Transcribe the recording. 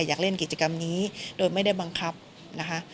อยากเล่นกิจกรรมนี้โดยไม่ได้บังคับนะคะ